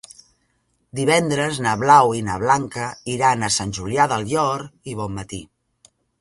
Divendres na Blau i na Blanca iran a Sant Julià del Llor i Bonmatí.